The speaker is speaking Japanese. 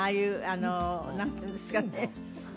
あの何ていうんですかね？